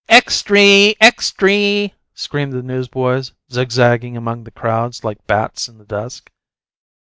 "Extry! Extry!" screamed the newsboys, zig zagging among the crowds like bats in the dusk.